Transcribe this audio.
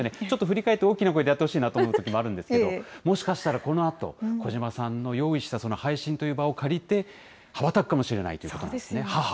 ちょっと振り返って大きな声でやってほしいなと思うときもあるんですけど、もしかしたら、このあと、児島さんの用意した配信という場を借りて、羽ばたくかもしれないということなんですね。